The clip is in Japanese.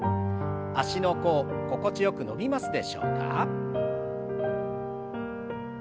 足の甲心地よく伸びますでしょうか？